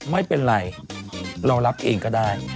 ไม่เป็นไรเรารับเองก็ได้